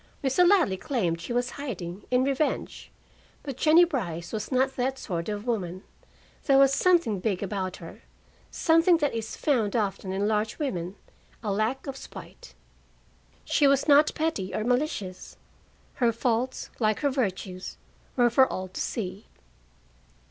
Mr. Ladley claimed she was hiding, in revenge. But Jennie Brice was not that sort of woman; there was something big about her, something that is found often in large women a lack of spite. She was not petty or malicious. Her faults, like her virtues, were for all to see.